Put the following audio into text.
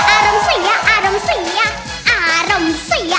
อารมณ์เสียอารมณ์เสียอารมณ์เสีย